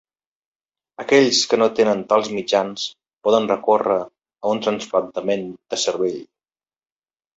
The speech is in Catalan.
Aquells que no tenen tals mitjans poden recórrer a un trasplantament de cervell.